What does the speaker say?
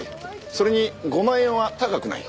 それに５万円は高くない。